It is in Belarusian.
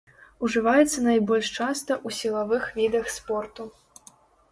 Ужываецца найбольш часта ў сілавых відах спорту.